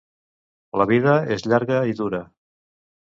La vida és llarga i dura.